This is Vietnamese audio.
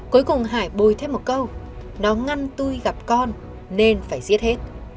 cuối cùng hải bôi thêm một câu nó ngăn tui gặp con nên phải giết hết